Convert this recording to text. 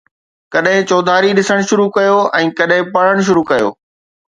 ڪڏهن چوڌاري ڏسڻ شروع ڪيو ۽ ڪڏهن پڙهڻ شروع ڪيو